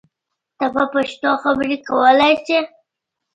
ته په پښتو خبری کولای شی!